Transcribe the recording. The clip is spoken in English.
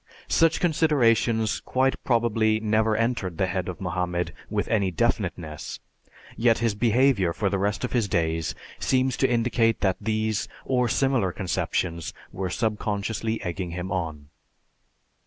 Such considerations quite probably never entered the head of Mohammed with any definiteness; yet his behavior for the rest of his days seems to indicate that these, or similar conceptions, were subconsciously egging him on.